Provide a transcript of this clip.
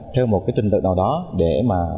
theo một cái trình tượng nào đó để mà